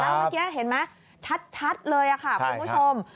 เมื่อกี้เห็นไหมชัดเลยค่ะคุณผู้ชม